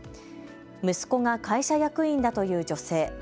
息子が会社役員だという女性。